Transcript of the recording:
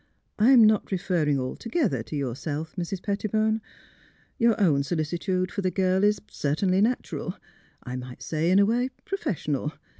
'' I am not referring altogether to yourself, Mrs. Pettibone; your own solicitude for the girl is certainly natural; I might say in a way, profes sional.